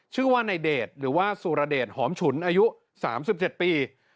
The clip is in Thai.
ชื่อว่าในเดทหรือว่าสุรเดสหอมฉุนอายุสามสิบเจ็ดปี